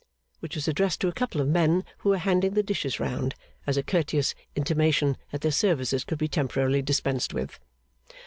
which was addressed to a couple of men who were handing the dishes round, as a courteous intimation that their services could be temporarily dispensed with.